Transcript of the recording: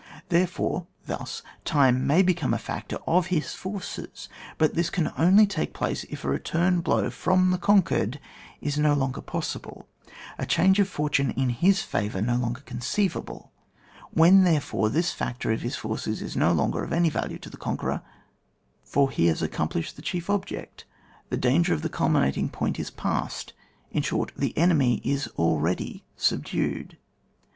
Therefore, thus time may also become a factor of his forces, but this can only take place if a return blow from the conquered is no longer possible, a change of fortune in his favour no longer conceivable, when therefore this factor of his forces is no longer of any value to the conqueror ; for he has accomplished the chief object, the danger of the culminating point is past, in short, the enemy is already subdued.